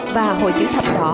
và hội chữ thập đỏ